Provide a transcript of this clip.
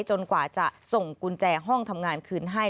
กว่าจะส่งกุญแจห้องทำงานคืนให้